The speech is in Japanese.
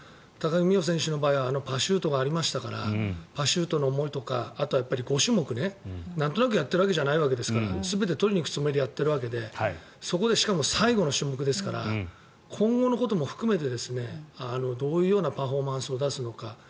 高木美帆選手の場合はあのパシュートがありましたからパシュートの思いとかあとは５種目ねなんとなくやってるわけじゃなくて全て取りに行くつもりでやっているわけでそこでしかも最後の種目ですから今後のことも含めてどういうパフォーマンスを出すのか。